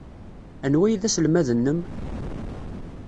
Anwa ay d aselmad-nnem?